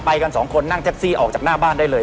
กันสองคนนั่งแท็กซี่ออกจากหน้าบ้านได้เลย